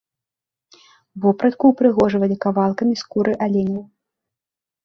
Вопратку упрыгожвалі кавалкамі скуры аленяў.